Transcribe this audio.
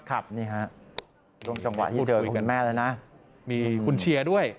ครับนี่ค่ะจังหวะที่เจอกับคุณแม่เลยนะมีคุณเชียร์ด้วย